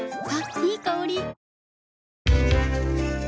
いい香り。